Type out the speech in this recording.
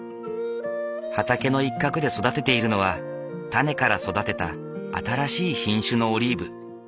畑の一角で育てているのは種から育てた新しい品種のオリーブ。